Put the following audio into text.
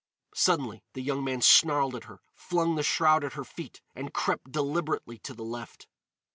Suddenly the man snarled at her, flung the shroud at her feet, and crept deliberately to the left.